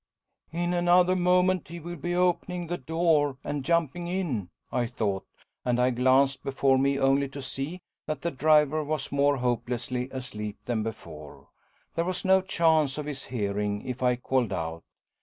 "In another moment he will be opening the door and jumping in," I thought, and I glanced before me only to see that the driver was more hopelessly asleep than before; there was no chance of his hearing if I called out.